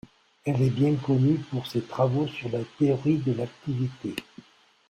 Elle est bien connue pour ses travaux sur la théorie de l'activité.